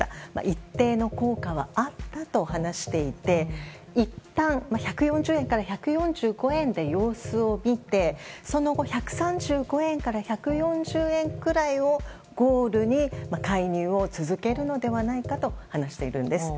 一定の効果はあったと話していていったん、１４０円から１４５円で様子を見てその後１３５円から１４０円くらいをゴールに介入を続けるのではないかと話しているんです。